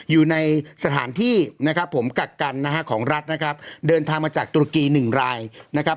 อยู่ในสถานที่นะครับผมกักกันนะฮะของรัฐนะครับเดินทางมาจากตุรกีหนึ่งรายนะครับ